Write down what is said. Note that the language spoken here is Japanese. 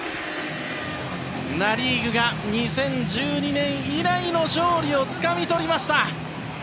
ナ・リーグが２０１２年以来の勝利をつかみ取りました。